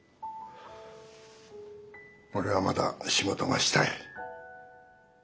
俺はまだ仕事がしたい。